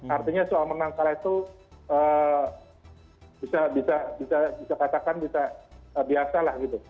artinya soal menang kalah itu bisa katakan bisa biasa lah gitu